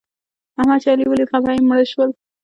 احمد چې علي وليد؛ خپه يې مړه شول.